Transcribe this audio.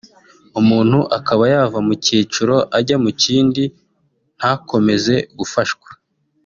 umuntu akaba yava mu cyiciro akajya mu kindi ntakomeze gufashwa